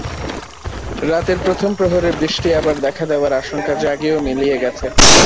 রাতের প্রথম প্রহরে বৃষ্টি আবার দেখা দেওয়ার আশঙ্কা জাগিয়েও মিলিয়ে গেছে।